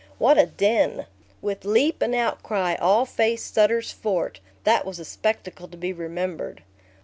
What a din! With leap and outcry, all faced Sutter's Fort. That was a spectacle to be remembered.